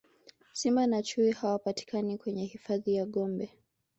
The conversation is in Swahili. simba na chui hawapatikani kwenye hifadhi ya gombe